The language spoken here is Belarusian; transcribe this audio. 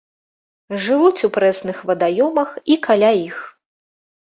Жывуць у прэсных вадаёмах і каля іх.